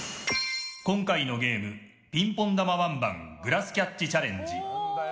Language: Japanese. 今回のゲームピンポン玉ワンバングラスキャッチチャレンジ。